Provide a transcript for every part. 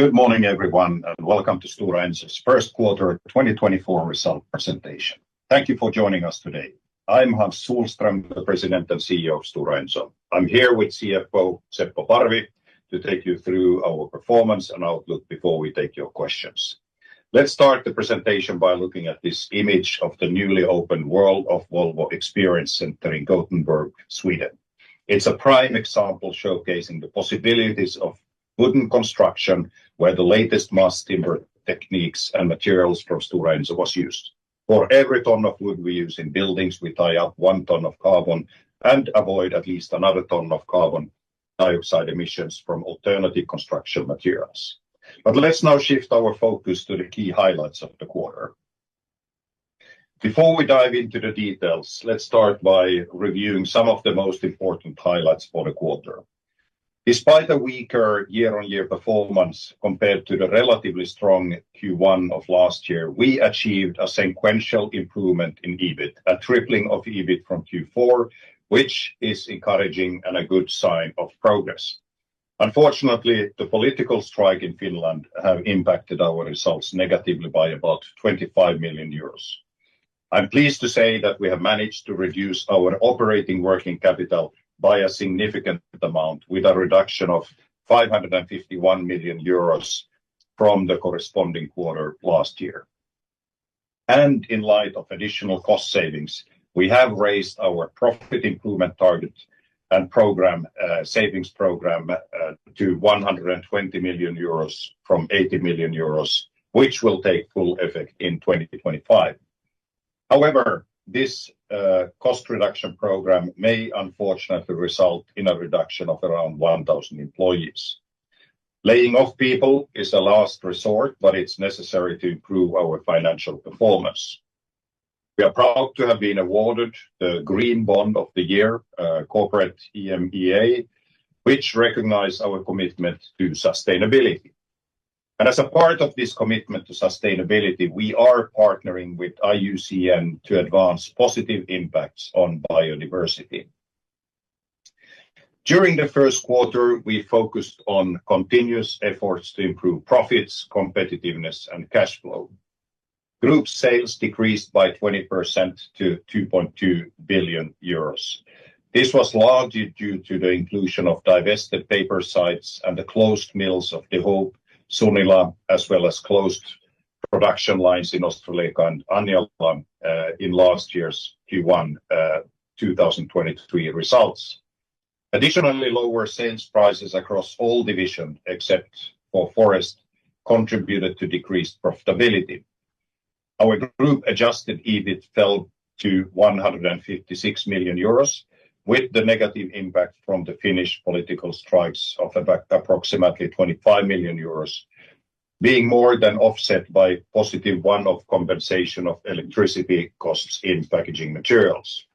Good morning, everyone, and welcome to Stora Enso's Q1 2024 result presentation. Thank you for joining us today. I'm Hans Sohlström, the President and CEO of Stora Enso. I'm here with CFO Seppo Parvi to take you through our performance and outlook before we take your questions. Let's start the presentation by looking at this image of the newly opened World of Volvo Experience Center in Gothenburg, Sweden. It's a prime example showcasing the possibilities of wooden construction, where the latest mass timber techniques and materials from Stora Enso were used. For every ton of wood we use in buildings, we tie up one ton of carbon and avoid at least another ton of carbon dioxide emissions from alternative construction materials. But let's now shift our focus to the key highlights of the quarter. Before we dive into the details, let's start by reviewing some of the most important highlights for the quarter. Despite a weaker year-on-year performance compared to the relatively strong Q1 of last year, we achieved a sequential improvement in EBIT, a tripling of EBIT from Q4, which is encouraging and a good sign of progress. Unfortunately, the political strike in Finland has impacted our results negatively by about 25 million euros. I'm pleased to say that we have managed to reduce our operating working capital by a significant amount, with a reduction of 551 million euros from the corresponding quarter last year. And in light of additional cost savings, we have raised our profit improvement target and program savings program to 120 million euros from 80 million euros, which will take full effect in 2025. However, this cost reduction program may unfortunately result in a reduction of around 1,000 employees. Laying off people is a last resort, but it's necessary to improve our financial performance. We are proud to have been awarded the Green Bond of the Year, Corporate EMEA, which recognizes our commitment to sustainability. As a part of this commitment to sustainability, we are partnering with IUCN to advance positive impacts on biodiversity. During the Q1, we focused on continuous efforts to improve profits, competitiveness, and cash flow. Group sales decreased by 20% to 2.2 billion euros. This was largely due to the inclusion of divested paper sites and the closed mills of De Hoop, Sunila, as well as closed production lines in Ostrołękaand Anjala in last year's Q1 2023 results. Additionally, lower sales prices across all divisions, except for forest, contributed to decreased profitability. Our Group-adjusted EBIT fell to 156 million euros, with the negative impact from the Finnish political strikes of approximately 25 million euros being more than offset by positive one-off compensation of electricity costs in packaging materials.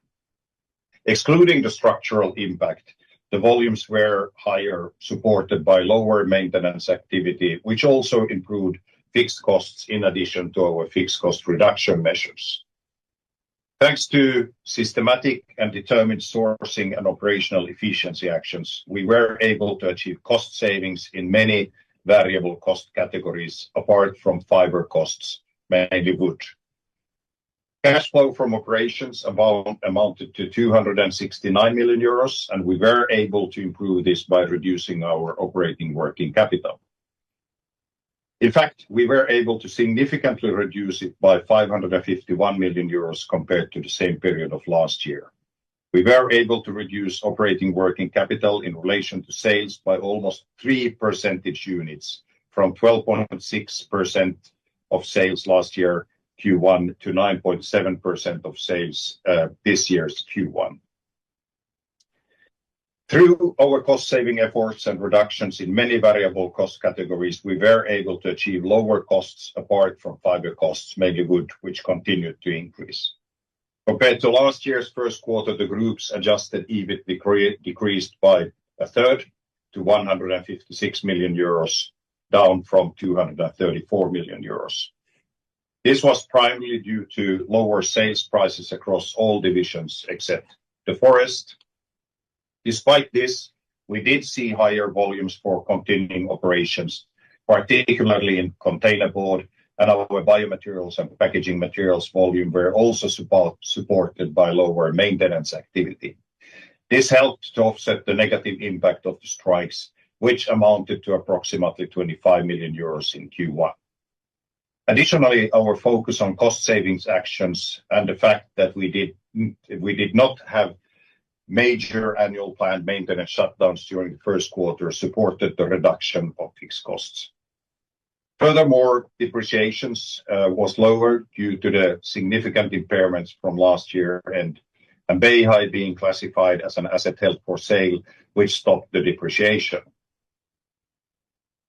Excluding the structural impact, the volumes were higher supported by lower maintenance activity, which also improved fixed costs in addition to our fixed cost reduction measures. Thanks to systematic and determined sourcing and operational efficiency actions, we were able to achieve cost savings in many variable cost categories apart from fiber costs, mainly wood. Cash flow from operations amounted to 269 million euros, and we were able to improve this by reducing our operating working capital. In fact, we were able to significantly reduce it by 551 million euros compared to the same period of last year. We were able to reduce operating working capital in relation to sales by almost three percentage units, from 12.6% of sales last year Q1 to 9.7% of sales this year's Q1. Through our cost-saving efforts and reductions in many variable cost categories, we were able to achieve lower costs apart from fiber costs, mainly wood, which continued to increase. Compared to last year's Q1, the group's adjusted EBIT decreased by a third to 156 million euros, down from 234 million euros. This was primarily due to lower sales prices across all divisions except the forest. Despite this, we did see higher volumes for continuing operations, particularly in container board, and our biomaterials and packaging materials volume were also supported by lower maintenance activity. This helped to offset the negative impact of the strikes, which amounted to approximately 25 million euros in Q1. Additionally, our focus on cost-savings actions and the fact that we did not have major annual planned maintenance shutdowns during the Q1 supported the reduction of fixed costs. Furthermore, depreciations were lower due to the significant impairments from last year and Beihai being classified as an asset held for sale, which stopped the depreciation.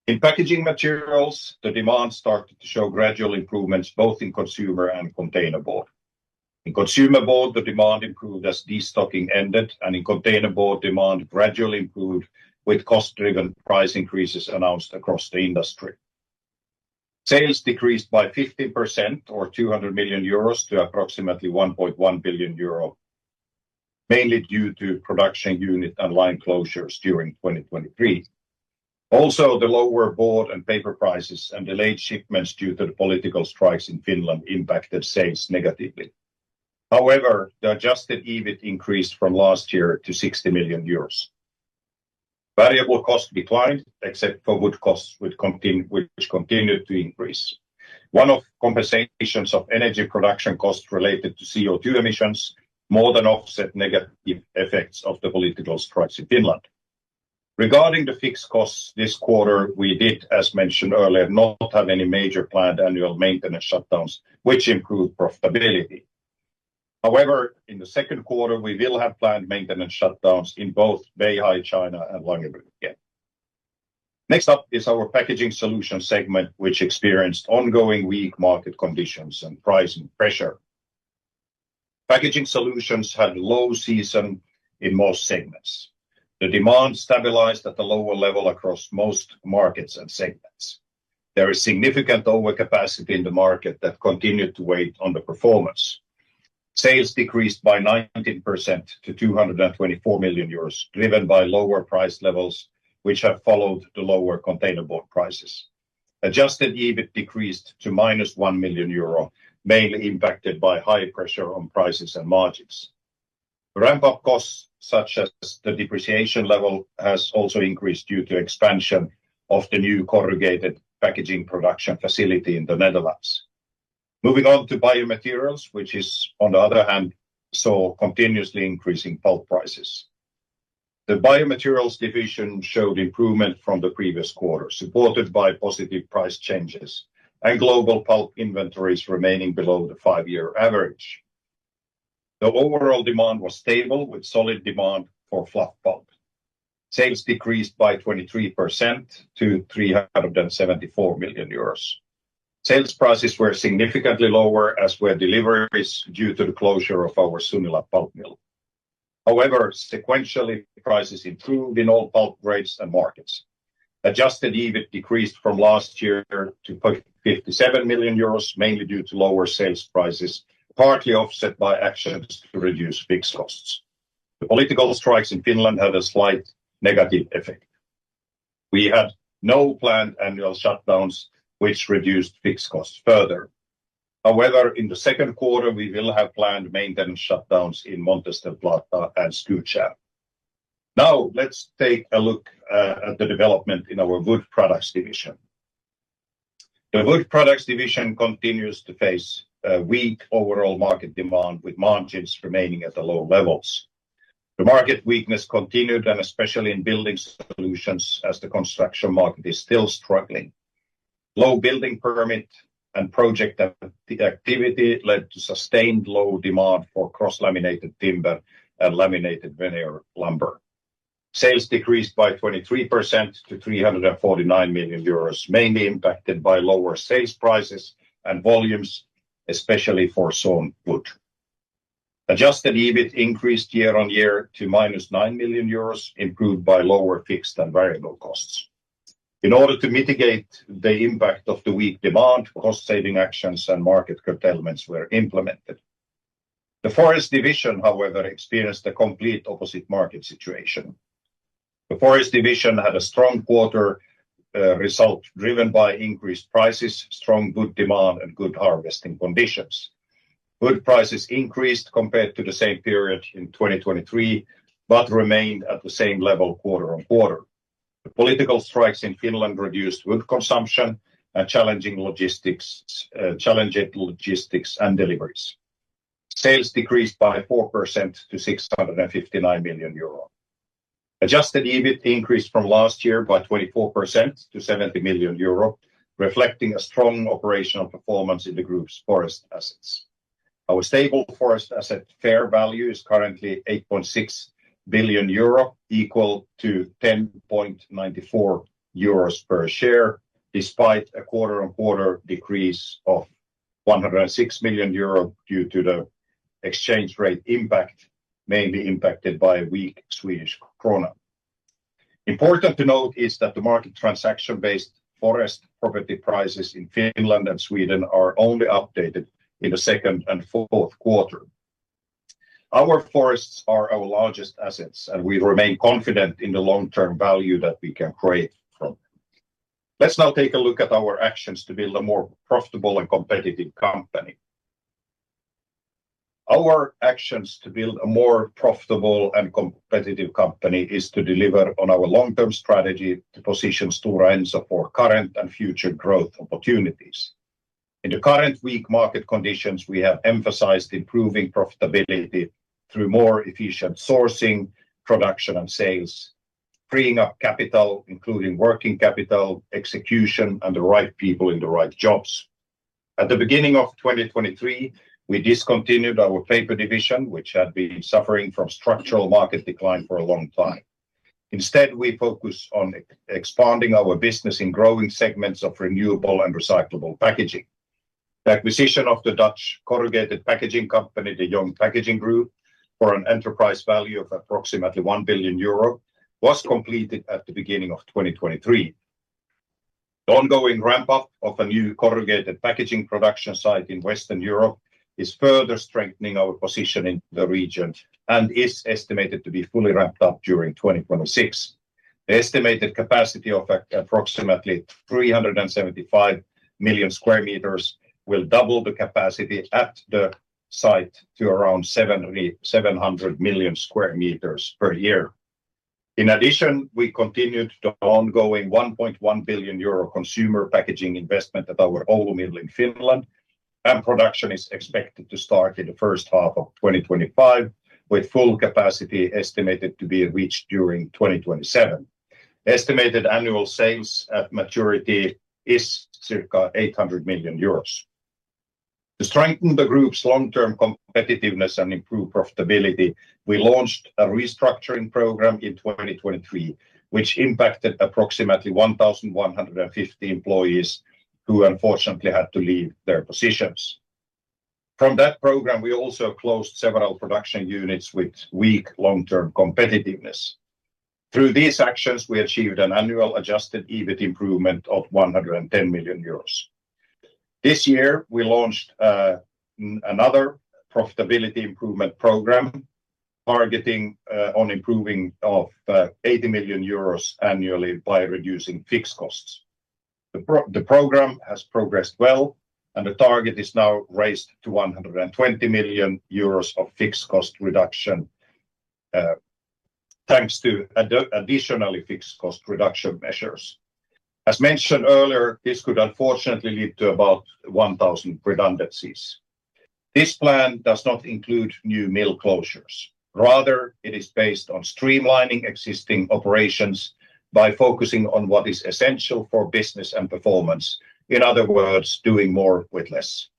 In packaging materials, the demand started to show gradual improvements both in consumer and container board. In consumer board, the demand improved as destocking ended, and in container board, demand gradually improved with cost-driven price increases announced across the industry. Sales decreased by 15%, or 200 million euros, to approximately 1.1 billion euro, mainly due to production unit and line closures during 2023. Also, the lower board and paper prices and delayed shipments due to the political strikes in Finland impacted sales negatively. However, the Adjusted EBIT increased from last year to 60 million euros. Variable costs declined, except for wood costs, which continued to increase. One-off compensations of energy production costs related to CO2 emissions more than offset negative effects of the political strikes in Finland. Regarding the fixed costs, this quarter, we did, as mentioned earlier, not have any major planned annual maintenance shutdowns, which improved profitability. However, in the Q2, we will have planned maintenance shutdowns in both Beihai, China, and Langerbrugge again. Next up is our packaging solutions segment, which experienced ongoing weak market conditions and pricing pressure. Packaging solutions had low season in most segments. The demand stabilized at a lower level across most markets and segments. There is significant overcapacity in the market that continued to weigh on the performance. Sales decreased by 19% to 224 million euros, driven by lower price levels, which have followed the lower containerboard prices. Adjusted EBIT decreased to minus 1 million euro, mainly impacted by high pressure on prices and margins. Ramp-up costs, such as the depreciation level, have also increased due to expansion of the new corrugated packaging production facility in the Netherlands. Moving on to biomaterials, which, on the other hand, saw continuously increasing pulp prices. The biomaterials division showed improvement from the previous quarter, supported by positive price changes and global pulp inventories remaining below the five-year average. The overall demand was stable, with solid demand for fluff pulp. Sales decreased by 23% to 374 million euros. Sales prices were significantly lower, as were deliveries, due to the closure of our Sunila pulp mill. However, sequentially, prices improved in all pulp grades and markets. Adjusted EBIT decreased from last year to 57 million euros, mainly due to lower sales prices, partly offset by actions to reduce fixed costs. The political strikes in Finland had a slight negative effect. We had no planned annual shutdowns, which reduced fixed costs further. However, in the Q2, we will have planned maintenance shutdowns in Montes del Plata and Skutskär. Now, let's take a look at the development in our wood products division. The wood products division continues to face weak overall market demand, with margins remaining at the low levels. The market weakness continued, and especially in building solutions, as the construction market is still struggling. Low building permit and project activity led to sustained low demand for cross-laminated timber and laminated veneer lumber. Sales decreased by 23% to 349 million euros, mainly impacted by lower sales prices and volumes, especially for sawn wood. Adjusted EBIT increased year-over-year to -9 million euros, improved by lower fixed and variable costs. In order to mitigate the impact of the weak demand, cost-saving actions and market curtailments were implemented. The forest division, however, experienced a complete opposite market situation. The forest division had a strong quarter result driven by increased prices, strong wood demand, and good harvesting conditions. Wood prices increased compared to the same period in 2023 but remained at the same level quarter-on-quarter. The political strikes in Finland reduced wood consumption and challenged logistics and deliveries. Sales decreased by 4% to 659 million euro. Adjusted EBIT increased from last year by 24% to 70 million euro, reflecting a strong operational performance in the group's forest assets. Our stable forest asset fair value is currently 8.6 billion euro, equal to 10.94 euros per share, despite a quarter-on-quarter decrease of 106 million euro due to the exchange rate impact, mainly impacted by weak Swedish krona. Important to note is that the market transaction-based forest property prices in Finland and Sweden are only updated in the second and Q4. Our forests are our largest assets, and we remain confident in the long-term value that we can create from them. Let's now take a look at our actions to build a more profitable and competitive company. Our actions to build a more profitable and competitive company are to deliver on our long-term strategy to position Stora Enso for current and future growth opportunities. In the current weak market conditions, we have emphasized improving profitability through more efficient sourcing, production, and sales, freeing up capital, including working capital, execution, and the right people in the right jobs. At the beginning of 2023, we discontinued our paper division, which had been suffering from structural market decline for a long time. Instead, we focused on expanding our business in growing segments of renewable and recyclable packaging. The acquisition of the Dutch corrugated packaging company, De Jong Packaging Group, for an enterprise value of approximately 1 billion euro was completed at the beginning of 2023. The ongoing ramp-up of a new corrugated packaging production site in Western Europe is further strengthening our position in the region and is estimated to be fully ramped up during 2026. The estimated capacity of approximately 375 million square meters will double the capacity at the site to around 700 million square meters per year. In addition, we continued the ongoing 1.1 billion euro consumer packaging investment at our Oulu mill in Finland, and production is expected to start in the first half of 2025, with full capacity estimated to be reached during 2027. Estimated annual sales at maturity are circa 800 million euros. To strengthen the group's long-term competitiveness and improve profitability, we launched a restructuring program in 2023, which impacted approximately 1,150 employees who, unfortunately, had to leave their positions. From that program, we also closed several production units with weak long-term competitiveness. Through these actions, we achieved an annual adjusted EBIT improvement of 110 million euros. This year, we launched another profitability improvement program targeting on improving of 80 million euros annually by reducing fixed costs. The program has progressed well, and the target is now raised to 120 million euros of fixed cost reduction, thanks to additional fixed cost reduction measures. As mentioned earlier, this could unfortunately lead to about 1,000 redundancies. This plan does not include new mill closures. Rather, it is based on streamlining existing operations by focusing on what is essential for business and performance, in other words, doing more with less.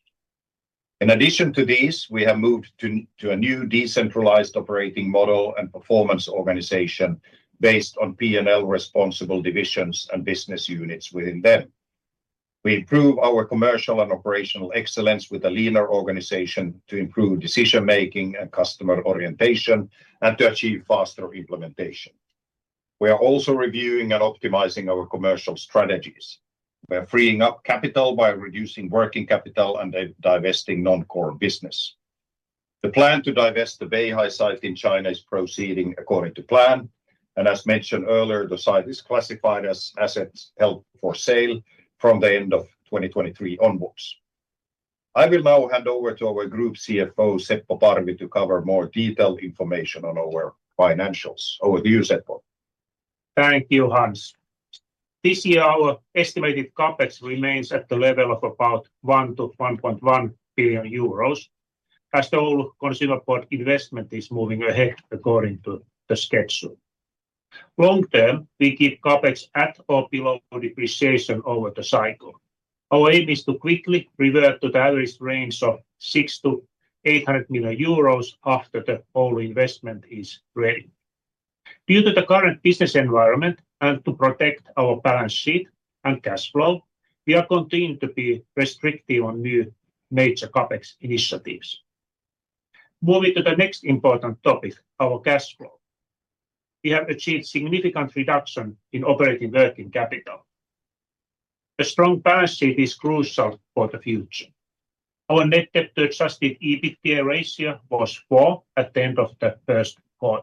In addition to these, we have moved to a new decentralized operating model and performance organization based on P&L responsible divisions and business units within them. We improve our commercial and operational excellence with a leaner organization to improve decision-making and customer orientation and to achieve faster implementation. We are also reviewing and optimizing our commercial strategies. We are freeing up capital by reducing working capital and divesting non-core business. The plan to divest the Beihai site in China is proceeding according to plan. And as mentioned earlier, the site is classified as asset held for sale from the end of 2023 onwards. I will now hand over to our Group CFO, Seppo Parvi, to cover more detailed information on our financials. Over to you, Seppo. Thank you, Hans. This year, our estimated CAPEX remains at the level of about 1 billion-1.1 billion euros, as the Oulu consumer board investment is moving ahead according to the schedule. Long-term, we keep CAPEX at or below depreciation over the cycle. Our aim is to quickly revert to the average range of 600 million-800 million euros after the Oulu investment is ready. Due to the current business environment and to protect our balance sheet and cash flow, we are continuing to be restrictive on new major CAPEX initiatives. Moving to the next important topic, our cash flow. We have achieved significant reduction in operating working capital. A strong balance sheet is crucial for the future. Our net debt-to-adjusted EBITDA ratio was 4 at the end of the Q1.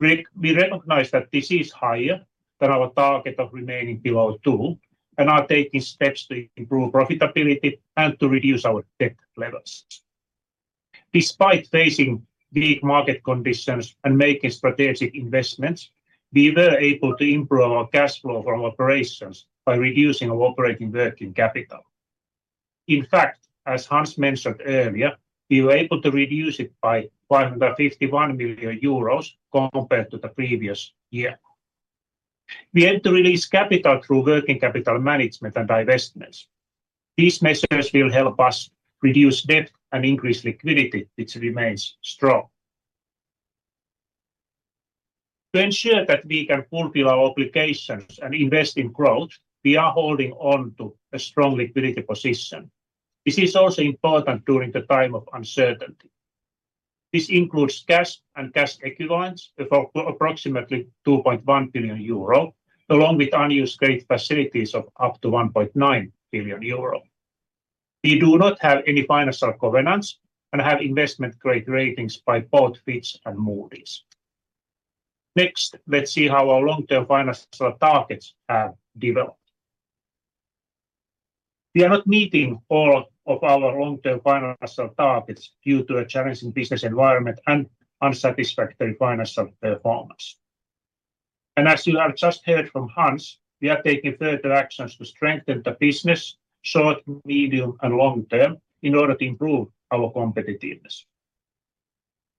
We recognize that this is higher than our target of remaining below 2 and are taking steps to improve profitability and to reduce our debt levels. Despite facing weak market conditions and making strategic investments, we were able to improve our cash flow from operations by reducing our operating working capital. In fact, as Hans mentioned earlier, we were able to reduce it by 551 million euros compared to the previous year. We aim to release capital through working capital management and divestments. These measures will help us reduce debt and increase liquidity, which remains strong. To ensure that we can fulfill our obligations and invest in growth, we are holding on to a strong liquidity position. This is also important during the time of uncertainty. This includes cash and cash equivalents of approximately 2.1 billion euro, along with unused credit facilities of up to 1.9 billion euro. We do not have any financial covenants and have investment grade ratings by both Fitch and Moody's. Next, let's see how our long-term financial targets have developed. We are not meeting all of our long-term financial targets due to a challenging business environment and unsatisfactory financial performance. As you have just heard from Hans, we are taking further actions to strengthen the business short, medium, and long-term in order to improve our competitiveness.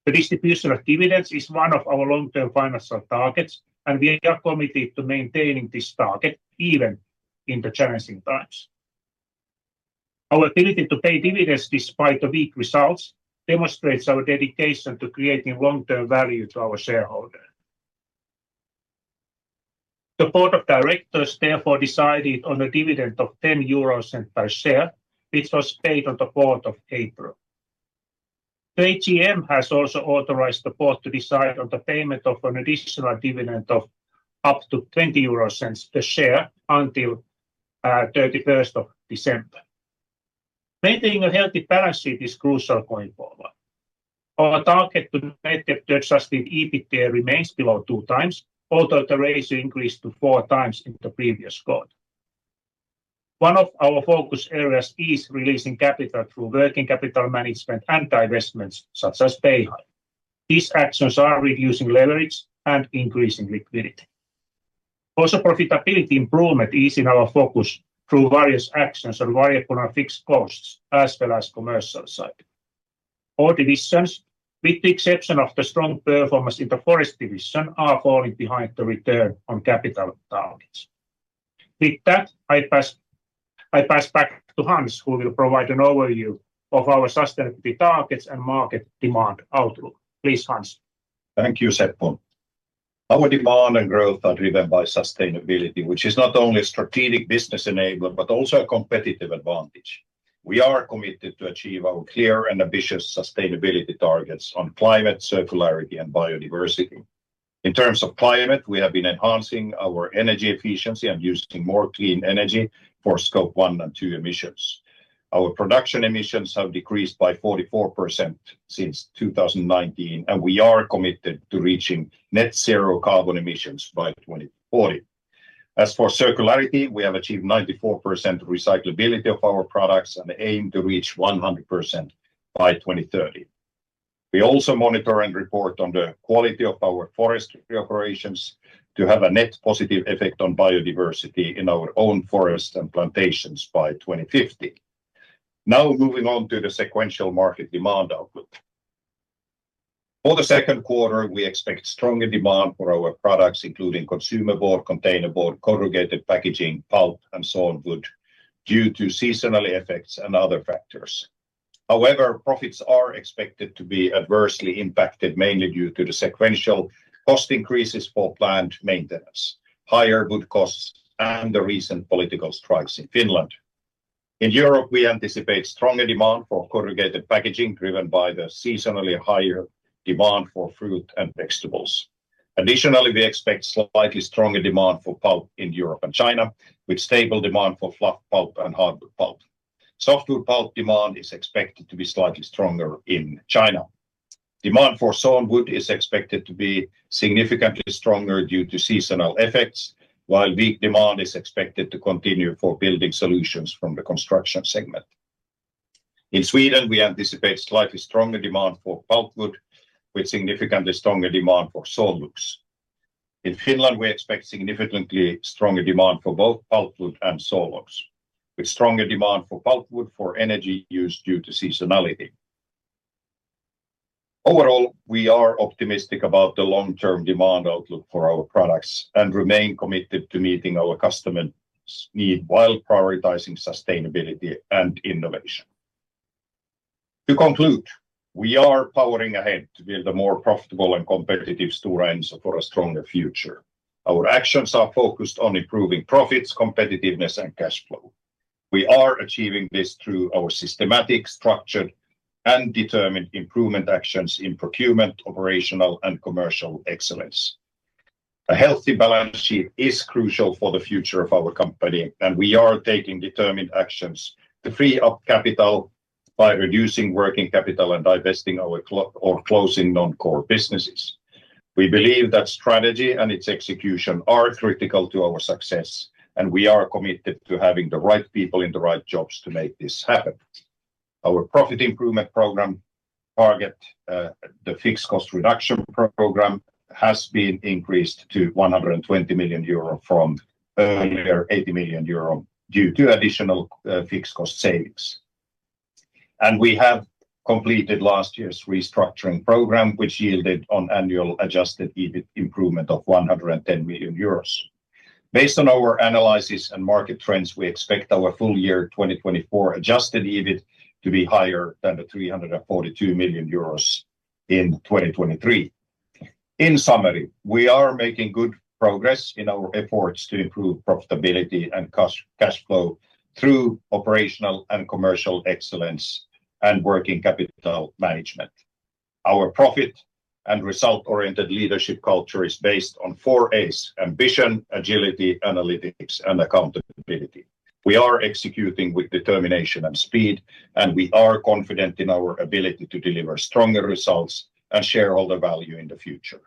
The distribution of dividends is one of our long-term financial targets, and we are committed to maintaining this target even in the challenging times. Our ability to pay dividends despite the weak results demonstrates our dedication to creating long-term value to our shareholders. The board of directors, therefore, decided on a dividend of 10 euro per share, which was paid on the 4th of April. The AGM has also authorized the board to decide on the payment of an additional dividend of up to 20 euro per share until 31st of December. Maintaining a healthy balance sheet is crucial going forward. Our target to net debt-to-adjusted EBITDA remains below 2 times, although the ratio increased to 4 times in the previous quarter. One of our focus areas is releasing capital through working capital management and divestments, such as Beihai. These actions are reducing leverage and increasing liquidity. Also, profitability improvement is in our focus through various actions on variable and fixed costs, as well as the commercial side. All divisions, with the exception of the strong performance in the forest division, are falling behind the return on capital targets. With that, I pass back to Hans, who will provide an overview of our sustainability targets and market demand outlook. Please, Hans. Thank you, Seppo. Our demand and growth are driven by sustainability, which is not only a strategic business enabler but also a competitive advantage. We are committed to achieving our clear and ambitious sustainability targets on climate, circularity, and biodiversity. In terms of climate, we have been enhancing our energy efficiency and using more clean energy for Scope 1 and 2 emissions. Our production emissions have decreased by 44% since 2019, and we are committed to reaching net zero carbon emissions by 2040. As for circularity, we have achieved 94% recyclability of our products and aim to reach 100% by 2030. We also monitor and report on the quality of our forestry operations to have a net positive effect on biodiversity in our own forests and plantations by 2050. Now, moving on to the sequential market demand outlook. For the Q2, we expect stronger demand for our products, including consumer board, container board, corrugated packaging, pulp, and sawn wood, due to seasonal effects and other factors. However, profits are expected to be adversely impacted, mainly due to the sequential cost increases for plant maintenance, higher wood costs, and the recent political strikes in Finland. In Europe, we anticipate stronger demand for corrugated packaging driven by the seasonally higher demand for fruit and vegetables. Additionally, we expect slightly stronger demand for pulp in Europe and China, with stable demand for fluff pulp and hardwood pulp. Softwood pulp demand is expected to be slightly stronger in China. Demand for sawn wood is expected to be significantly stronger due to seasonal effects, while weak demand is expected to continue for building solutions from the construction segment. In Sweden, we anticipate slightly stronger demand for pulpwood, with significantly stronger demand for sawn logs. In Finland, we expect significantly stronger demand for both pulpwood and sawn logs, with stronger demand for pulpwood for energy use due to seasonality. Overall, we are optimistic about the long-term demand outlook for our products and remain committed to meeting our customers' needs while prioritizing sustainability and innovation. To conclude, we are powering ahead to build a more profitable and competitive Stora Enso for a stronger future. Our actions are focused on improving profits, competitiveness, and cash flow. We are achieving this through our systematic, structured, and determined improvement actions in procurement, operational, and commercial excellence. A healthy balance sheet is crucial for the future of our company, and we are taking determined actions to free up capital by reducing working capital and divesting or closing non-core businesses. We believe that strategy and its execution are critical to our success, and we are committed to having the right people in the right jobs to make this happen. Our profit improvement program target, the fixed cost reduction program, has been increased to 120 million euro from earlier 80 million euro due to additional fixed cost savings. We have completed last year's restructuring program, which yielded an annual adjusted EBIT improvement of 110 million euros. Based on our analysis and market trends, we expect our full year 2024 adjusted EBIT to be higher than the 342 million euros in 2023. In summary, we are making good progress in our efforts to improve profitability and cash flow through operational and commercial excellence and working capital management. Our profit and result-oriented leadership culture is based on four A's: ambition, agility, analytics, and accountability. We are executing with determination and speed, and we are confident in our ability to deliver stronger results and shareholder value in the future.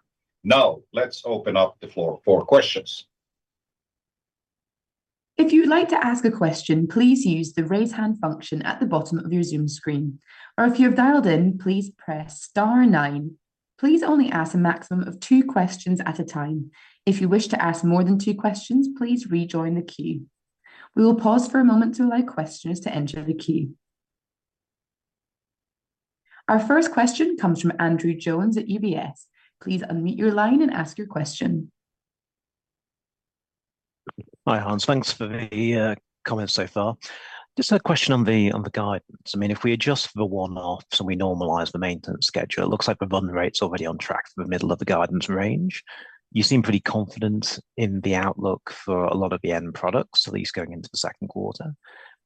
Now, let's open up the floor for questions. If you'd like to ask a question, please use the raise hand function at the bottom of your Zoom screen. Or if you have dialed in, please press star nine. Please only ask a maximum of two questions at a time. If you wish to ask more than two questions, please rejoin the queue. We will pause for a moment to allow questions to enter the queue. Our first question comes from Andrew Jones at UBS. Please unmute your line and ask your question. Hi, Hans. Thanks for the comments so far. Just a question on the guidance. I mean, if we adjust for the one-offs and we normalize the maintenance schedule, it looks like the run rate's already on track for the middle of the guidance range. You seem pretty confident in the outlook for a lot of the end products, at least going into the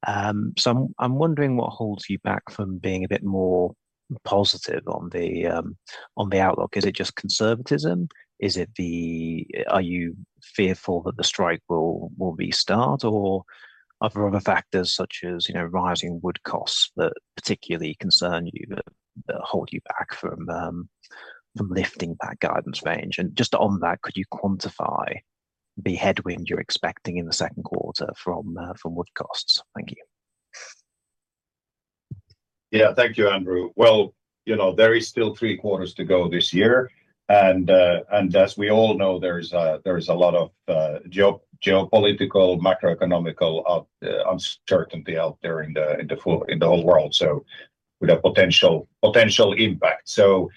Q2. So I'm wondering what holds you back from being a bit more positive on the outlook. Is it just conservatism? Are you fearful that the strike will restart, or are there other factors such as rising wood costs that particularly concern you, that hold you back from lifting that guidance range? And just on that, could you quantify the headwind you're expecting in the Q2 from wood costs? Thank you. Yeah, thank you, Andrew. Well, there are still three quarters to go this year. And as we all know, there is a lot of geopolitical, macroeconomic uncertainty out there in the whole world, so with a potential impact. So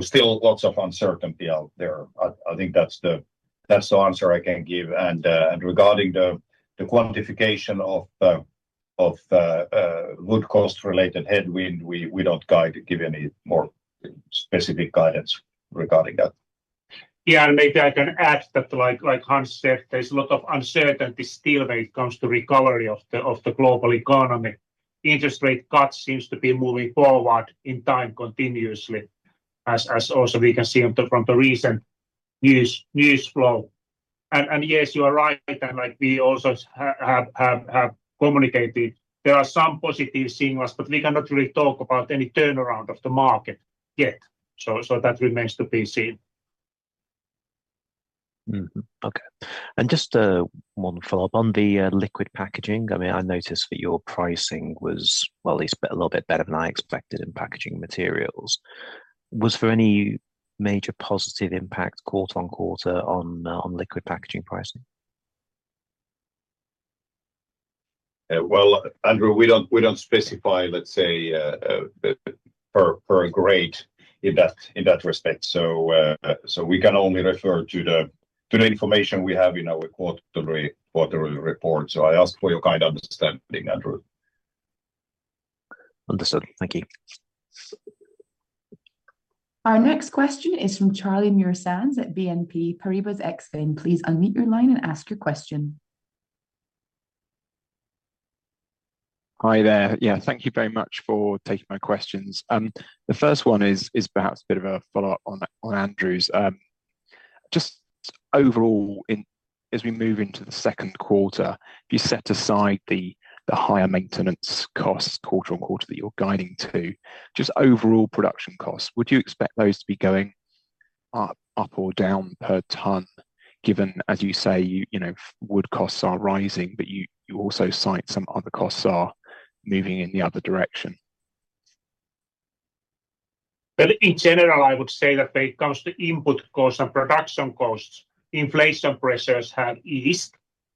still lots of uncertainty out there. I think that's the answer I can give. And regarding the quantification of wood cost-related headwind, we don't give any more specific guidance regarding that. Yeah, I'd add that, like Hans said, there's a lot of uncertainty still when it comes to recovery of the global economy. Interest rate cuts seem to be moving forward in time continuously, as also we can see from the recent news flow. And yes, you are right, and we also have communicated there are some positive signals, but we cannot really talk about any turnaround of the market yet. So that remains to be seen. Okay. And just one follow-up on the liquid packaging. I mean, I noticed that your pricing was, well, at least a little bit better than I expected in packaging materials. Was there any major positive impact quarter-over-quarter on liquid packaging pricing? Well, Andrew, we don't specify, let's say, per grade in that respect. So we can only refer to the information we have in our quarterly report. So I ask for your kind understanding, Andrew. Understood. Thank you. Our next question is from Charlie Muir-Sands at BNP Paribas Exane. Please unmute your line and ask your question. Hi there. Yeah, thank you very much for taking my questions. The first one is perhaps a bit of a follow-up on Andrew's. Just overall, as we move into the Q2, if you set aside the higher maintenance costs quarter-on-quarter that you're guiding to, just overall production costs, would you expect those to be going up or down per ton given, as you say, wood costs are rising, but you also cite some other costs are moving in the other direction? Well, in general, I would say that when it comes to input costs and production costs, inflation pressures have eased,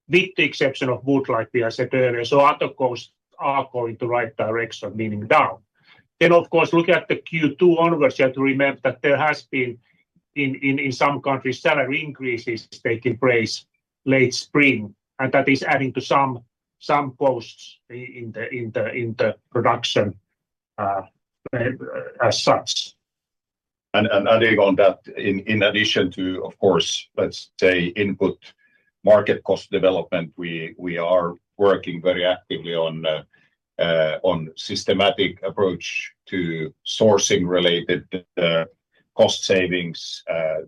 with the exception of wood, like we have said earlier. So other costs are going the right direction, meaning down. Then, of course, looking at the Q2 onwards, you have to remember that there have been, in some countries, salary increases taking place late spring, and that is adding to some costs in the production as such. And adding on that, in addition to, of course, let's say, input market cost development, we are working very actively on a systematic approach to sourcing-related cost savings,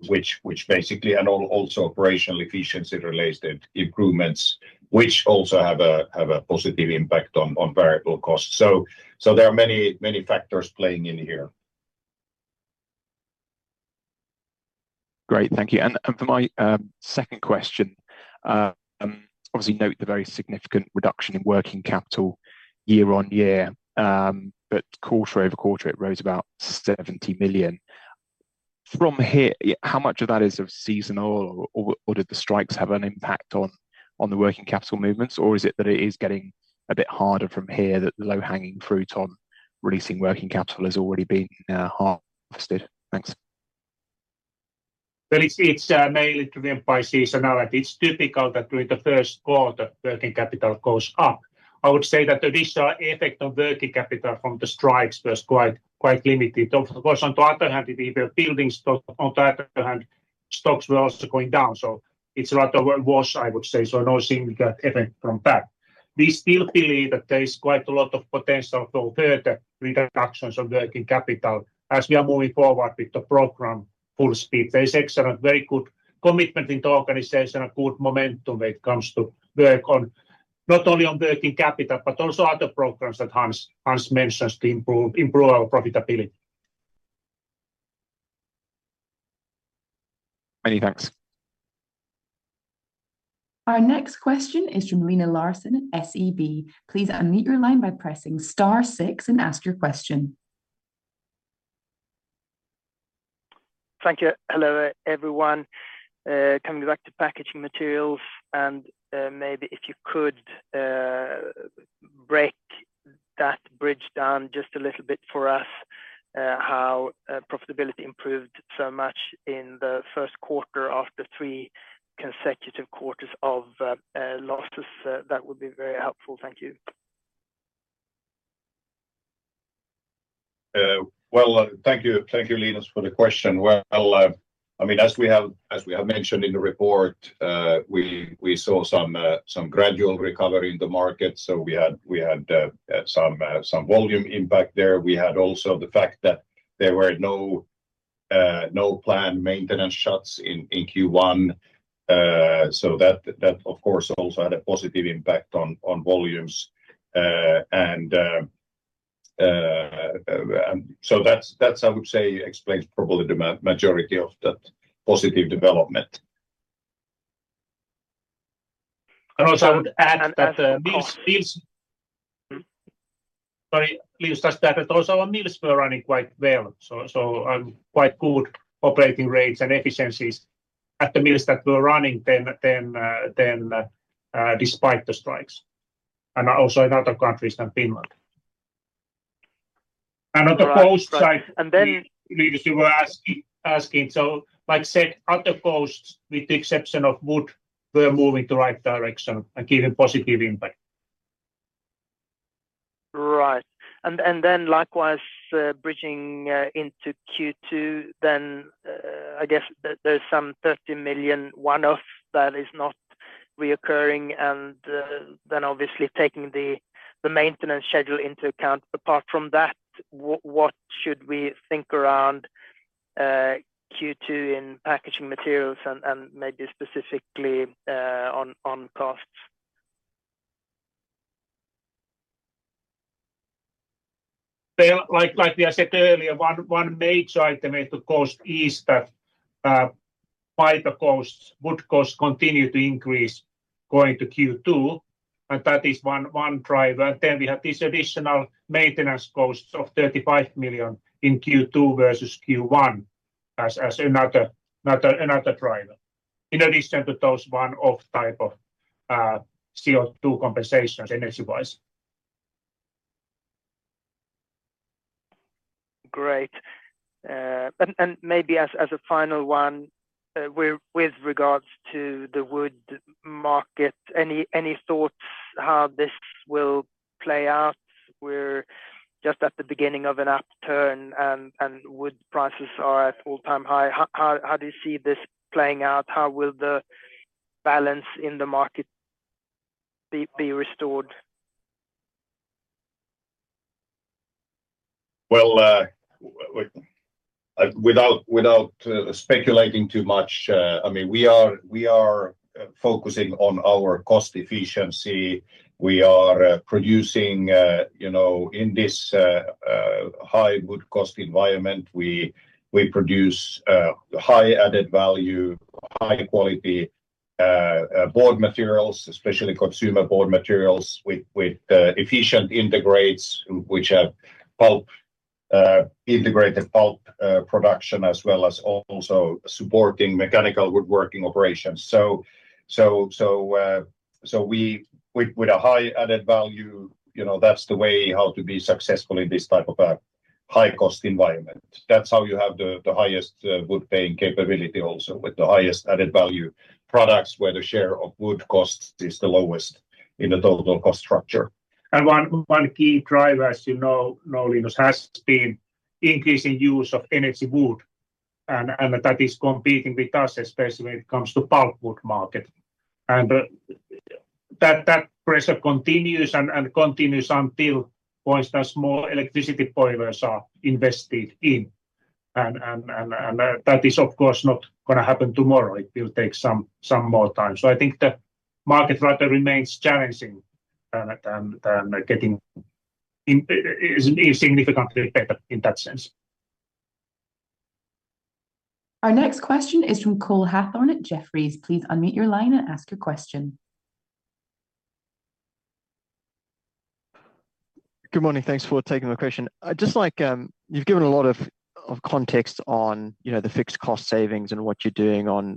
which basically, and also operational efficiency-related improvements, which also have a positive impact on variable costs. So there are many factors playing in here. Great. Thank you. And for my second question, obviously, note the very significant reduction in working capital year-on-year, but quarter-over-quarter, it rose about 70 million. From here, how much of that is seasonal, or did the strikes have an impact on the working capital movements, or is it that it is getting a bit harder from here, that the low-hanging fruit on releasing working capital has already been harvested? Thanks. Well, you see, it's mainly driven by seasonality. It's typical that during the Q1, working capital goes up. I would say that the visual effect on working capital from the strikes was quite limited. Of course, on the other hand, if you were building stocks, on the other hand, stocks were also going down. So it's rather wash, I would say, so no significant effect from that. We still believe that there's quite a lot of potential for further reductions of working capital as we are moving forward with the program full speed. There's excellent, very good commitment in the organization, a good momentum when it comes to work on not only on working capital, but also other programs that Hans mentions to improve our profitability. Many thanks. Our next question is from Linus Larsson at SEB. Please unmute your line by pressing star six and ask your question. Thank you. Hello, everyone. Coming back to packaging materials, and maybe if you could break that bridge down just a little bit for us, how profitability improved so much in the Q1 after three consecutive quarters of losses, that would be very helpful? Thank you. Well, thank you, Linus, for the question. Well, I mean, as we have mentioned in the report, we saw some gradual recovery in the market. So we had some volume impact there. We had also the fact that there were no planned maintenance shuts in Q1. So that, of course, also had a positive impact on volumes. And so that's, I would say, explains probably the majority of that positive development. And also I would add that the mills, sorry, Linus, just add that also our mills were running quite well. So, quite good operating rates and efficiencies at the mills that were running then, despite the strikes, and also in other countries than Finland. And on the cost side, Linus, you were asking, so like I said, other costs, with the exception of wood, were moving the right direction and giving positive impact. Right. And then likewise, bridging into Q2, then I guess there's some 30 million one-offs that is not recurring. And then obviously, taking the maintenance schedule into account. Apart from that, what should we think around Q2 in packaging materials and maybe specifically on costs? Well, like we have said earlier, one major item at the cost is that wood costs continue to increase going to Q2, and that is one driver. And then we have these additional maintenance costs of 35 million in Q2 versus Q1 as another driver, in addition to those one-off type of CO2 compensations energy-wise. Great. And maybe as a final one, with regards to the wood market, any thoughts how this will play out? We're just at the beginning of an upturn, and wood prices are at all-time high. How do you see this playing out? How will the balance in the market be restored? Well, without speculating too much, I mean, we are focusing on our cost efficiency. We are producing in this high wood cost environment, we produce high added value, high-quality board materials, especially consumer board materials with efficient integrates, which have integrated pulp production as well as also supporting mechanical woodworking operations. So with a high added value, that's the way how to be successful in this type of a high-cost environment. That's how you have the highest wood-paying capability also, with the highest added value products where the share of wood costs is the lowest in the total cost structure. And one key driver, as you know, Linus, has been increasing use of energy wood, and that is competing with us, especially when it comes to pulpwood market. And that pressure continues and continues until, for instance, more electricity boilers are invested in. And that is, of course, not going to happen tomorrow. It will take some more time. So I think the market rather remains challenging than getting significantly better in that sense. Our next question is from Cole Hathorn at Jefferies. Please unmute your line and ask your question. Good morning. Thanks for taking my question. Just like you've given a lot of context on the fixed cost savings and what you're doing on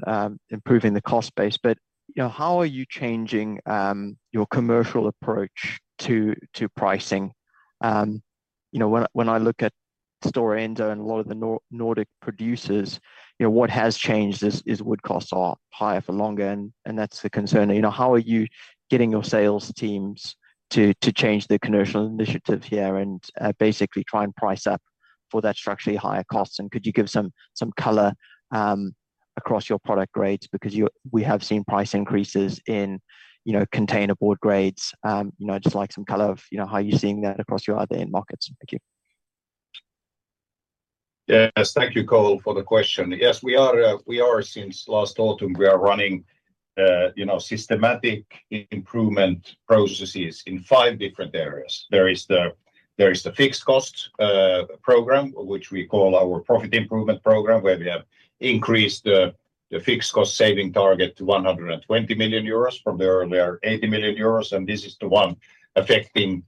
improving the cost base, but how are you changing your commercial approach to pricing? When I look at Stora Enso and a lot of the Nordic producers, what has changed is wood costs are higher for longer, and that's the concern. How are you getting your sales teams to change the commercial initiative here and basically try and price up for that structurally higher cost? And could you give some color across your product grades? Because we have seen price increases in containerboard grades. I'd just like some color of how you're seeing that across your other end markets. Thank you. Yes. Thank you, Cole, for the question. Yes, we are, since last autumn, running systematic improvement processes in five different areas. There is the fixed cost program, which we call our profit improvement program, where we have increased the fixed cost saving target to 120 million euros from the earlier 80 million euros. And this is the one affecting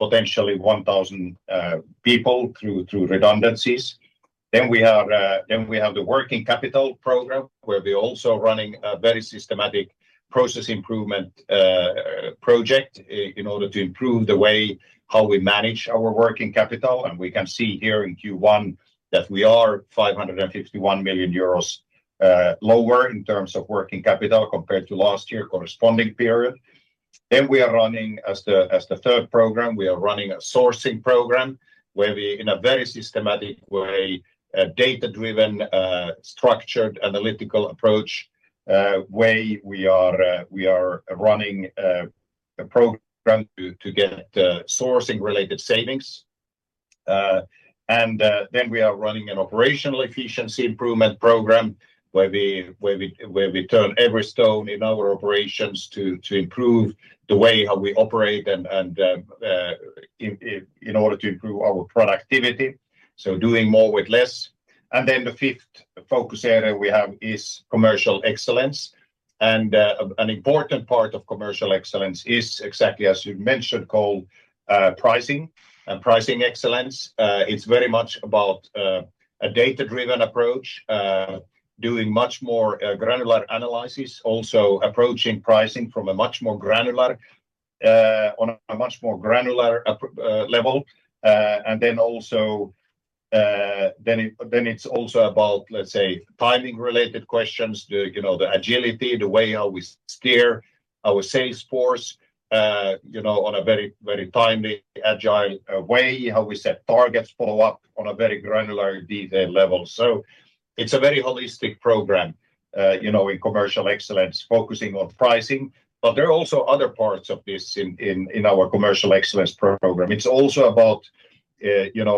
potentially 1,000 people through redundancies. Then we have the working capital program, where we're also running a very systematic process improvement project in order to improve the way how we manage our working capital. And we can see here in Q1 that we are 551 million euros lower in terms of working capital compared to last year, corresponding period. Then we are running, as the third program, we are running a sourcing program where we, in a very systematic way, data-driven, structured, analytical approach way, we are running a program to get sourcing-related savings. And then we are running an operational efficiency improvement program where we turn every stone in our operations to improve the way how we operate in order to improve our productivity, so doing more with less. And then the fifth focus area we have is commercial excellence. And an important part of commercial excellence is, exactly as you mentioned, Cole, pricing and pricing excellence. It's very much about a data-driven approach, doing much more granular analysis, also approaching pricing from a much more granular level. And then it's also about, let's say, timing-related questions, the agility, the way how we steer our sales force on a very timely, agile way, how we set targets, follow up on a very granular, detailed level. So it's a very holistic program in commercial excellence, focusing on pricing. But there are also other parts of this in our commercial excellence program. It's also about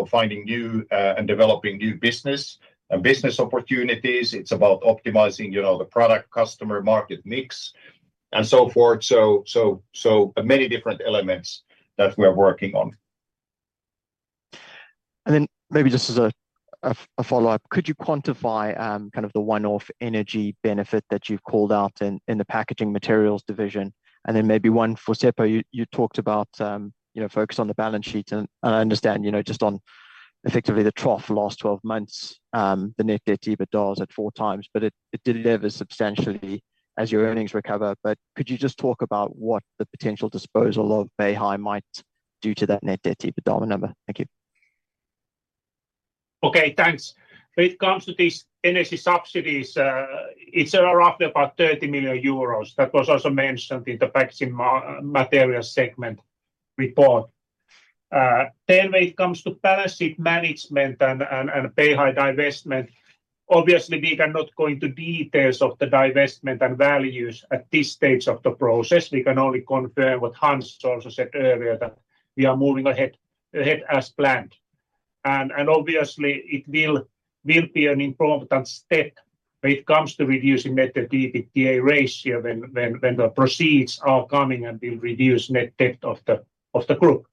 finding new and developing new business and business opportunities. It's about optimizing the product-customer-market mix and so forth. So many different elements that we are working on. And then maybe just as a follow-up, could you quantify kind of the one-off energy benefit that you've called out in the packaging materials division? And then maybe one for Seppo, you talked about focus on the balance sheet, and I understand just on effectively the trough last 12 months, the net debt EBITDA was at 4x, but it didn't ever substantially as your earnings recover. But could you just talk about what the potential disposal of Beihai might do to that net debt EBITDA number? Thank you. Okay. Thanks. When it comes to these energy subsidies, it's roughly about 30 million euros. That was also mentioned in the packaging materials segment report. When it comes to balance sheet management and Beihai divestment, obviously, we are not going into details of the divestment and values at this stage of the process. We can only confirm what Hans also said earlier, that we are moving ahead as planned. Obviously, it will be an important step when it comes to reducing net debt-to-EBITDA ratio when the proceeds are coming and will reduce net debt of the group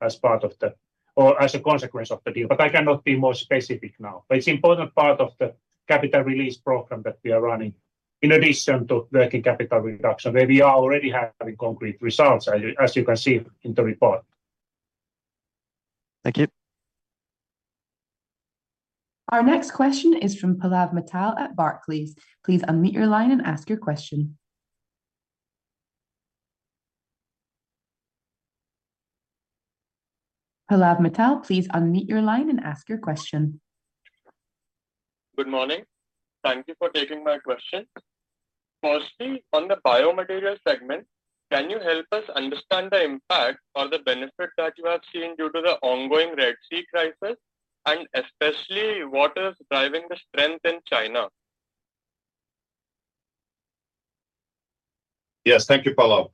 as part of the, or as a consequence of the deal. But I cannot be more specific now. But it's an important part of the capital release program that we are running in addition to working capital reduction, where we are already having concrete results, as you can see in the report. Thank you. Our next question is from Pallav Mittal at Barclays. Please unmute your line and ask your question. Pallav Mittal, please unmute your line and ask your question. Good morning. Thank you for taking my question. Firstly, on the biomaterial segment, can you help us understand the impact or the benefit that you have seen due to the ongoing Red Sea crisis, and especially what is driving the strength in China? Yes. Thank you, Pallav.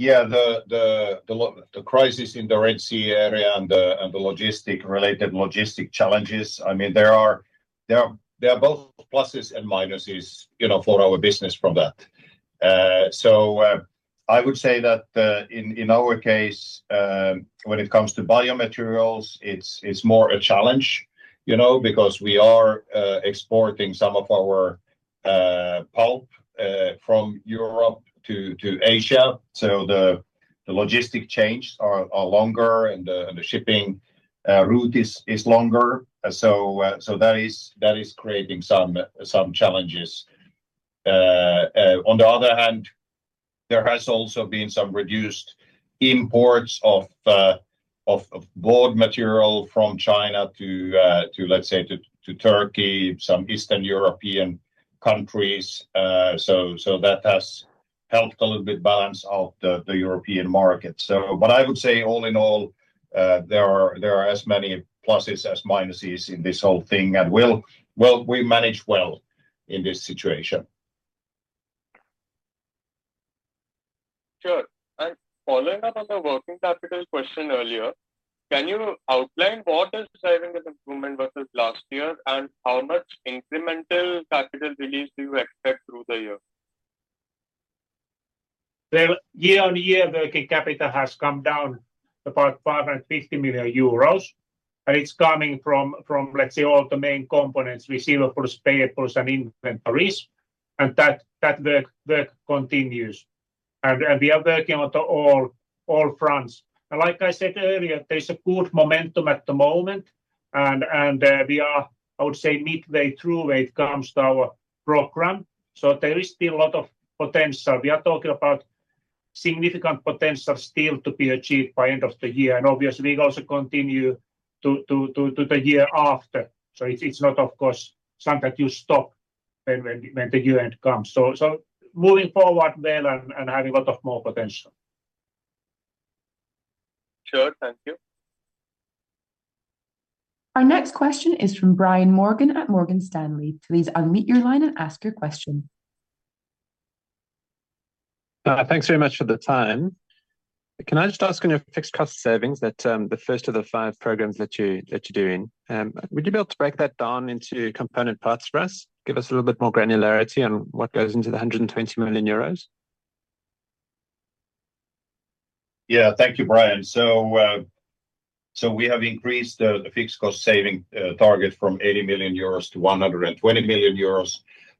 Yeah, the crisis in the Red Sea area and the logistic-related logistic challenges, I mean, there are both pluses and minuses for our business from that. So I would say that in our case, when it comes to biomaterials, it's more a challenge because we are exporting some of our pulp from Europe to Asia. So the logistic changes are longer, and the shipping route is longer. So that is creating some challenges. On the other hand, there has also been some reduced imports of board material from China to, let's say, to Turkey, some Eastern European countries. So that has helped a little bit balance out the European market. But I would say, all in all, there are as many pluses as minuses in this whole thing, and we manage well in this situation. Sure. Following up on the working capital question earlier, can you outline what is driving this improvement versus last year, and how much incremental capital release do you expect through the year? Well, year-on-year, working capital has come down about 550 million euros. And it's coming from, let's say, all the main components we see for spare parts and inventories. And that work continues. And we are working on all fronts. And like I said earlier, there is a good momentum at the moment, and we are, I would say, midway through when it comes to our program. So there is still a lot of potential. We are talking about significant potential still to be achieved by the end of the year. And obviously, we also continue to the year after. So it's not, of course, something that you stop when the year end comes. So moving forward well and having a lot of more potential. Sure. Thank you. Our next question is from Brian Morgan at Morgan Stanley. Please unmute your line and ask your question. Thanks very much for the time. Can I just ask, on your fixed cost savings, that the first of the five programs that you're doing, would you be able to break that down into component parts for us? Give us a little bit more granularity on what goes into the 120 million euros. Yeah. Thank you, Brian. So we have increased the fixed cost saving target from 80 million euros to 120 million euros.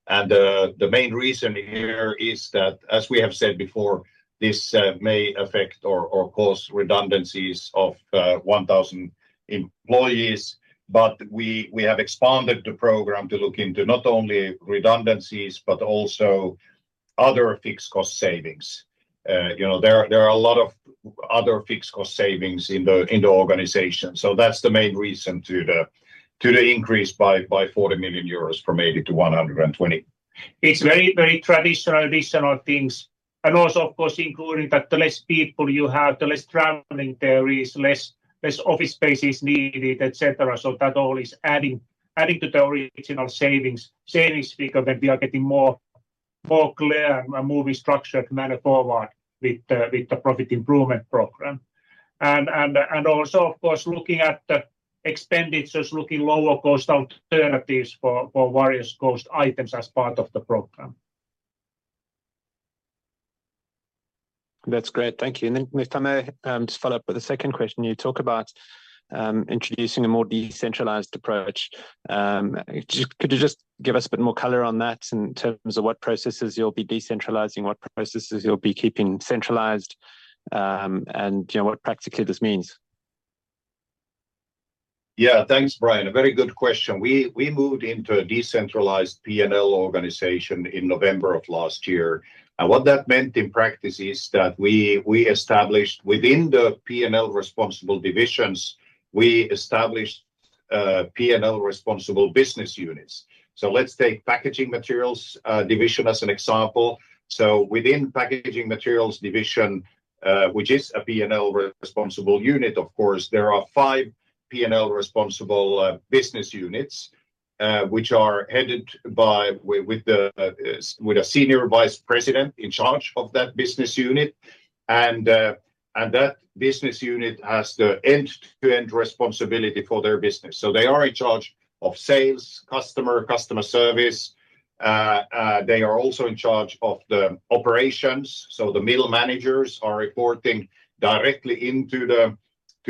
And the main reason here is that, as we have said before, this may affect or cause redundancies of 1,000 employees. But we have expanded the program to look into not only redundancies but also other fixed cost savings. There are a lot of other fixed cost savings in the organization. So that's the main reason to the increase by 40 million euros from 80 million to 120 million. It's very, very traditional additional things, and also, of course, including that the less people you have, the less traveling there is, less office space is needed, etc. So that all is adding to the original savings figure when we are getting more clear and moving structured manner forward with the profit improvement program. And also, of course, looking at the expenditures, looking at lower-cost alternatives for various cost items as part of the program. That's great. Thank you. And then, just to maybe, just follow up with the second question. You talk about introducing a more decentralized approach. Could you just give us a bit more color on that in terms of what processes you'll be decentralizing, what processes you'll be keeping centralized, and what practically this means? Yeah. Thanks, Brian. A very good question. We moved into a decentralized P&L organization in November of last year. And what that meant in practice is that we established, within the P&L responsible divisions, we established P&L responsible business units. So let's take the packaging materials division as an example. So within the packaging materials division, which is a P&L responsible unit, of course, there are five P&L responsible business units which are headed by a senior vice president in charge of that business unit. That business unit has the end-to-end responsibility for their business. So they are in charge of sales, customer service. They are also in charge of the operations. So the middle managers are reporting directly into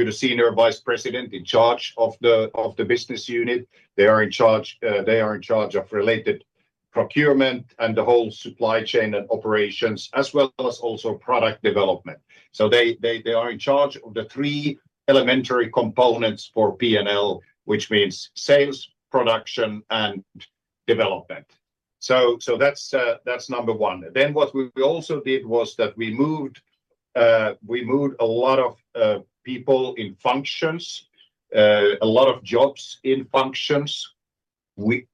the senior vice president in charge of the business unit. They are in charge of related procurement and the whole supply chain and operations, as well as also product development. So they are in charge of the three elementary components for P&L, which means sales, production, and development. So that's number one. Then what we also did was that we moved a lot of people in functions, a lot of jobs in functions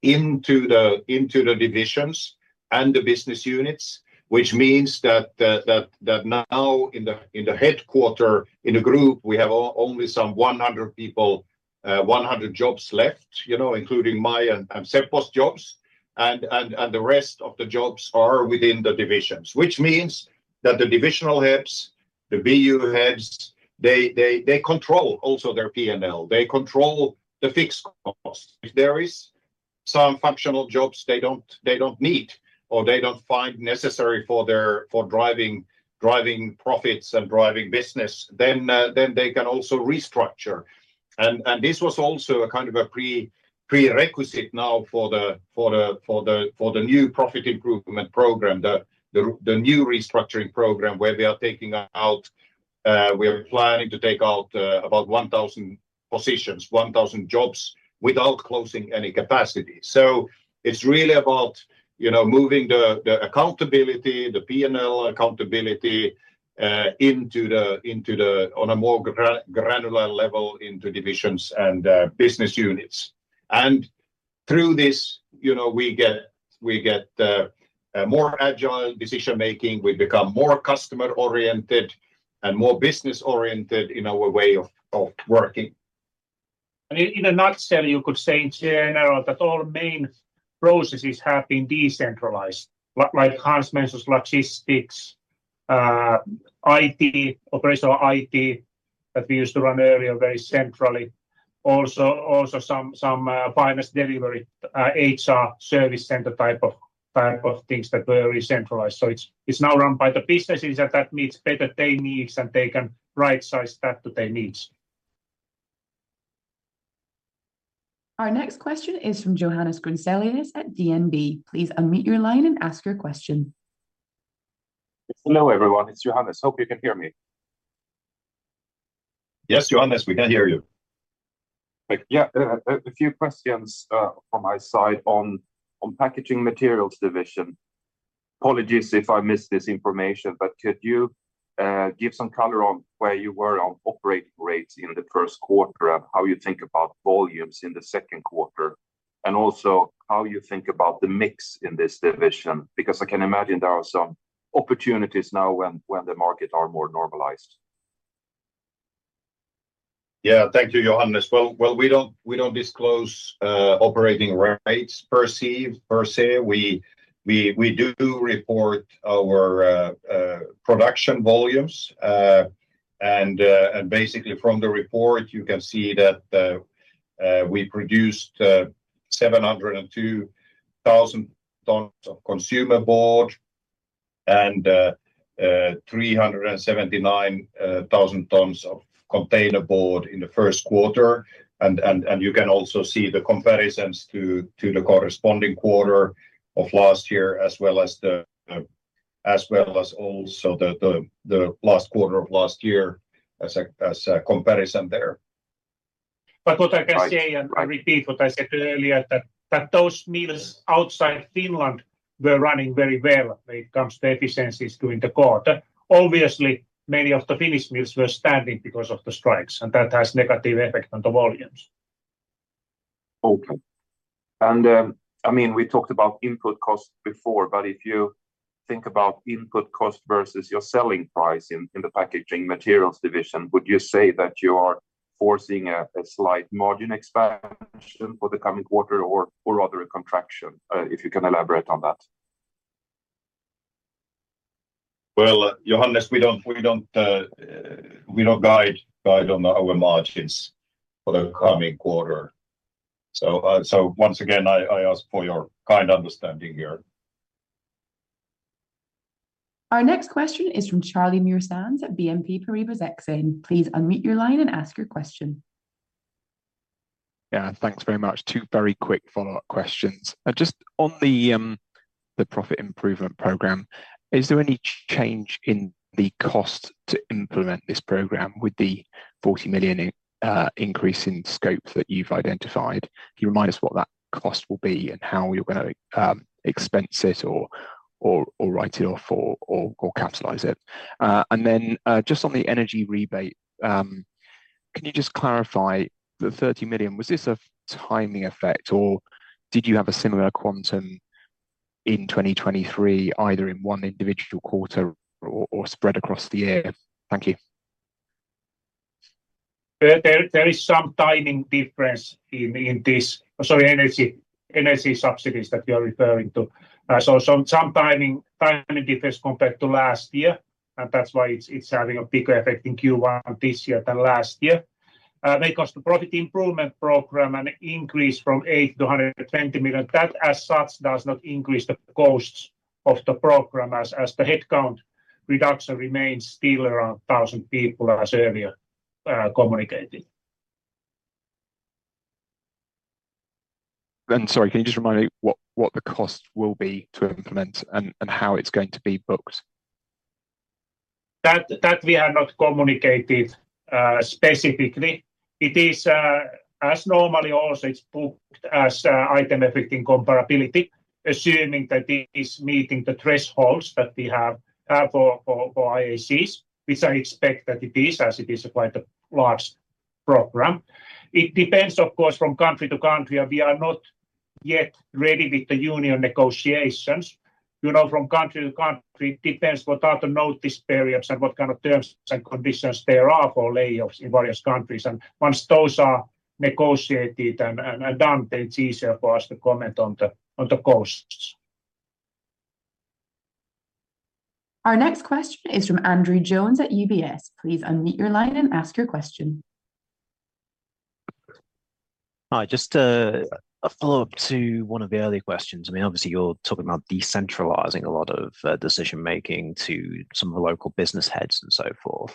into the divisions and the business units, which means that now, in the headquarters, in the group, we have only some 100 jobs left, including my and Seppo's jobs. And the rest of the jobs are within the divisions, which means that the divisional heads, the BU heads, they control also their P&L. They control the fixed costs. If there are some functional jobs they don't need or they don't find necessary for driving profits and driving business, then they can also restructure. And this was also a kind of a prerequisite now for the new profit improvement program, the new restructuring program, where we are planning to take out about 1,000 positions, 1,000 jobs without closing any capacity. So it's really about moving the accountability, the P&L accountability, into on a more granular level into divisions and business units. And through this, we get more agile decision-making. We become more customer-oriented and more business-oriented in our way of working. And in a nutshell, you could say, in general, that all main processes have been decentralized, like Hans mentioned, logistics, operational IT that we used to run earlier very centrally, also some finance delivery, HR service centre type of things that were recentralized. So it's now run by the businesses, and that meets better techniques, and they can right-size that to their needs. Our next question is from Johannes Grounselius at DNB. Please unmute your line and ask your question. Hello, everyone. It's Johannes. Hope you can hear me. Yes, Johannes. We can hear you. Yeah. A few questions from my side on the packaging materials division. Apologies if I missed this information, but could you give some color on where you were on operating rates in the Q1 and how you think about volumes in the Q2, and also how you think about the mix in this division? Because I can imagine there are some opportunities now when the markets are more normalized. Yeah. Thank you, Johannes. Well, we don't disclose operating rates per se. We do report our production volumes. And basically, from the report, you can see that we produced 702,000 tonnes of consumer board and 379,000 tonnes of container board in the Q1. And you can also see the comparisons to the corresponding quarter of last year, as well as also the last quarter of last year as a comparison there. But what I can say, and I repeat what I said earlier, that those mills outside Finland were running very well when it comes to efficiencies during the quarter. Obviously, many of the Finnish mills were standing because of the strikes, and that has a negative effect on the volumes. Okay. And I mean, we talked about input costs before. But if you think about input costs versus your selling price in the packaging materials division, would you say that you are forcing a slight margin expansion for the coming quarter or rather a contraction, if you can elaborate on that? Well, Johannes, we don't guide on our margins for the coming quarter. So once again, I ask for your kind understanding here. Our next question is from Charlie Sheridan at BNP Paribas Exane. Please unmute your line and ask your question. Yeah. Thanks very much. Two very quick follow-up questions. Just on the profit improvement program, is there any change in the cost to implement this program with the 40 million increase in scope that you've identified? Can you remind us what that cost will be and how you're going to expense it or write it off or capitalize it? And then just on the energy rebate, can you just clarify the 30 million? Was this a timing effect, or did you have a similar quantum in 2023, either in one individual quarter or spread across the year? Thank you. There is some timing difference in this. Sorry, energy subsidies that you are referring to. So some timing difference compared to last year. And that's why it's having a bigger effect in Q1 this year than last year. Because the profit improvement program, an increase from 8 million to 120 million, that as such does not increase the costs of the program as the headcount reduction remains still around 1,000 people, as earlier communicated. And sorry, can you just remind me what the cost will be to implement and how it's going to be booked? That we have not communicated specifically. As normally, also, it's booked as items affecting comparability, assuming that it is meeting the thresholds that we have for IACs, which I expect that it is, as it is quite a large program. It depends, of course, from country to country. And we are not yet ready with the union negotiations. From country to country, it depends what are the notice periods and what kind of terms and conditions there are for layoffs in various countries. Once those are negotiated and done, then it's easier for us to comment on the costs. Our next question is from Andrew Jones at UBS. Please unmute your line and ask your question. Hi. Just a follow-up to one of the earlier questions. I mean, obviously, you're talking about decentralizing a lot of decision-making to some of the local business heads and so forth.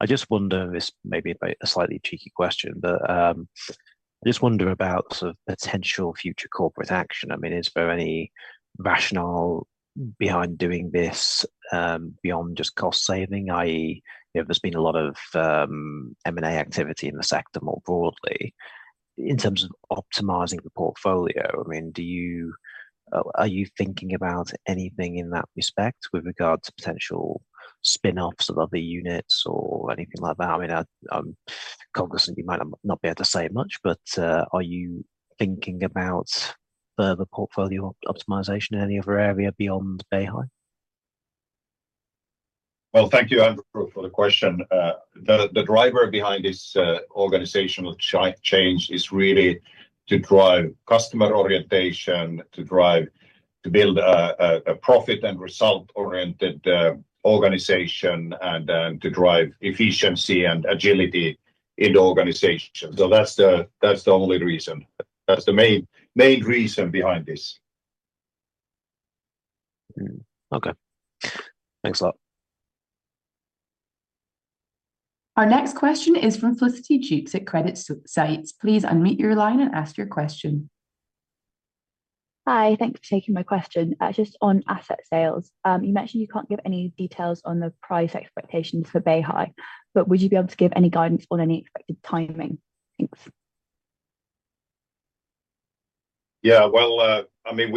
I just wonder if this may be a slightly cheeky question, but I just wonder about sort of potential future corporate action. I mean, is there any rationale behind doing this beyond just cost saving, i.e., if there's been a lot of M&A activity in the sector more broadly in terms of optimizing the portfolio? I mean, are you thinking about anything in that respect with regard to potential spin-offs of other units or anything like that? I mean, conversely, you might not be able to say much, but are you thinking about further portfolio optimization in any other area beyond Beihai? Well, thank you, Andrew, for the question. The driver behind this organizational change is really to drive customer orientation, to build a profit and result-oriented organization, and to drive efficiency and agility in the organization. So that's the only reason. That's the main reason behind this. Okay. Thanks a lot. Our next question is from Felicity Jukes at CreditSights. Please unmute your line and ask your question. Hi. Thanks for taking my question. Just on asset sales, you mentioned you can't give any details on the price expectations for Beihai, but would you be able to give any guidance on any expected timing? Thanks. Yeah. Well, I mean,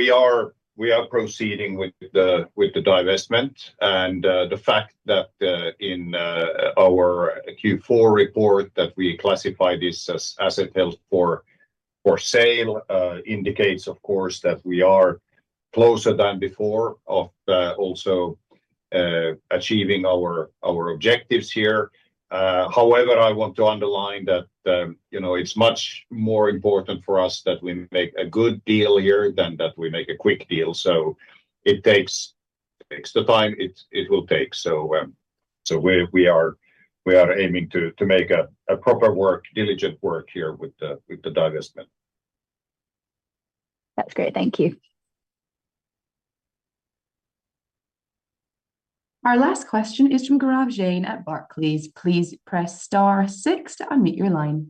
we are proceeding with the divestment. And the fact that in our Q4 report that we classify this as asset held for sale indicates, of course, that we are closer than before to also achieving our objectives here. However, I want to underline that it's much more important for us that we make a good deal here than that we make a quick deal. So it takes the time it will take. So we are aiming to make a proper, diligent work here with the divestment. That's great. Thank you. Our last question is from Gaurav Jain at Barclays. Please press star six to unmute your line.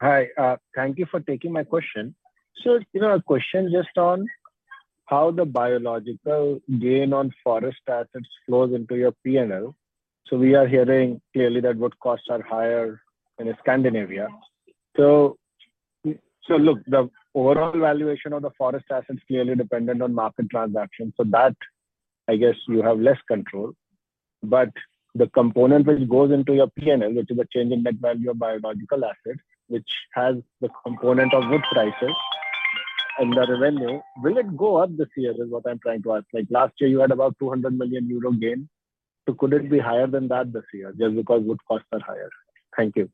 Hi. Thank you for taking my question. Sir, a question just on how the biological gain on forest assets flows into your P&L. So we are hearing clearly that wood costs are higher in Scandinavia. So look, the overall valuation of the forest assets is clearly dependent on market transactions. So that, I guess, you have less control. But the component which goes into your P&L, which is the change in net value of biological assets, which has the component of wood prices and the revenue, will it go up this year is what I'm trying to ask. Last year, you had about 200 million euro gain. So could it be higher than that this year just because wood costs are higher? Thank you.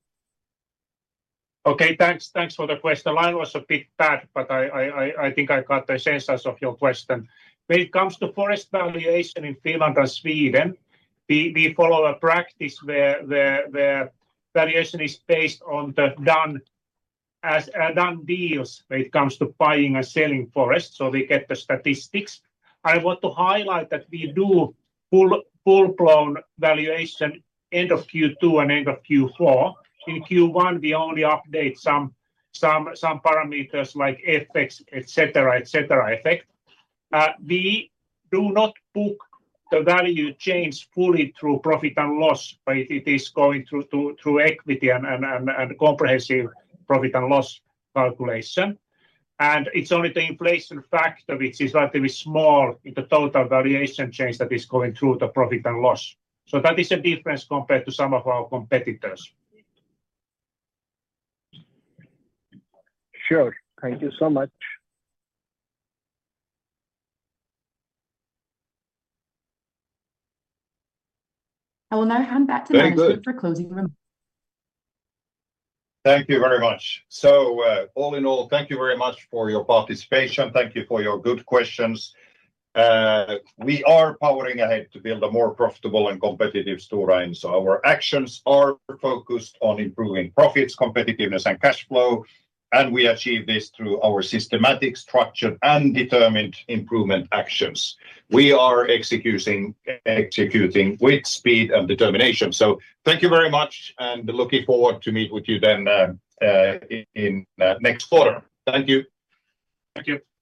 Okay. Thanks for the question. The line was a bit bad, but I think I got the sense of your question. When it comes to forest valuation in Finland and Sweden, we follow a practice where valuation is based on the done deals when it comes to buying and selling forest. So we get the statistics. I want to highlight that we do full-blown valuation end of Q2 and end of Q4. In Q1, we only update some parameters like FX, etc., etc., effect. We do not book the value change fully through profit and loss, but it is going through equity and comprehensive profit and loss calculation. And it's only the inflation factor, which is relatively small in the total valuation change that is going through the profit and loss. So that is a difference compared to some of our competitors. Sure. Thank you so much. I will now hand back to Hans for closing remarks. Thank you very much. So all in all, thank you very much for your participation. Thank you for your good questions. We are powering ahead to build a more profitable and competitive Stora Enso. Our actions are focused on improving profits, competitiveness, and cash flow. We achieve this through our systematic, structured, and determined improvement actions. We are executing with speed and determination. So thank you very much, and looking forward to meeting with you then in next quarter. Thank you. Thank you.